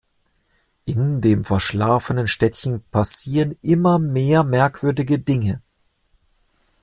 In dem verschlafenen Städtchen passieren immer mehr merkwürdige Dinge.